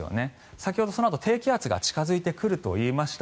先ほどそのあと低気圧が近付いてくると言いました。